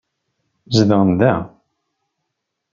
Zedɣent da.